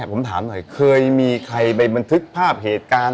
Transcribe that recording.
ผมถามหน่อยเคยมีใครไปบันทึกภาพเหตุการณ์